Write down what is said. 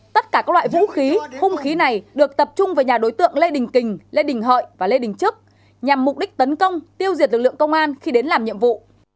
tất cả các loại vũ khí hung khí này được tập trung vào nhà đối tượng lê đình kình lê đình hợi và lê đình trức nhằm mục đích tấn công tiêu diệt lực lượng công an khi đến làm nhiệm vụ